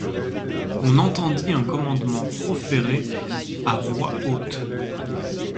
On entendit un commandement proféré à voix haute.